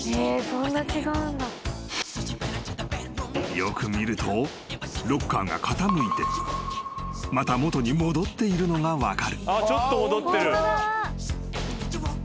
［よく見るとロッカーが傾いてまた元に戻っているのが分かる］